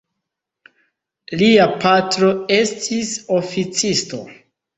Lia patro estis oficisto.